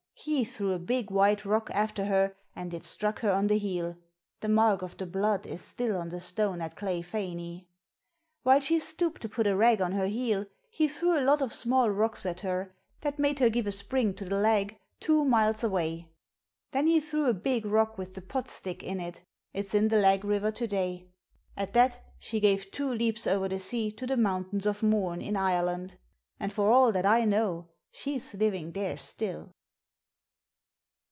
He threw a big white rock after her and it struck her on the heel the mark of the blood is still on the stone at Cleigh Fainey. While she stooped to put a rag on her heel he threw a lot of small rocks at her, that made her give a spring to the Lagg, two miles away. Then he threw a big rock with the pot stick in it it's in the Lagg river to day. At that she gave two leaps over the sea to the Mountains of Mourne in Ireland; and for all that I know she's living there still.